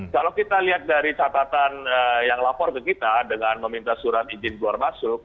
kalau kita lihat dari catatan yang lapor ke kita dengan meminta surat izin keluar masuk